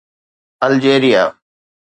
الجيريا